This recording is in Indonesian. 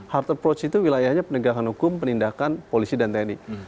hard approach itu wilayahnya penegakan hukum penindakan polisi dan tni